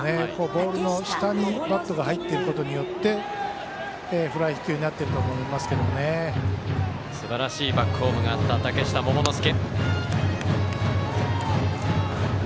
ボールの下にバットが入っていることによってフライ、飛球になっているとすばらしいバックホームがあった嶽下桃之介。